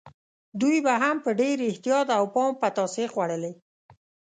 دوی به هم په ډېر احتیاط او پام پتاسې خوړلې.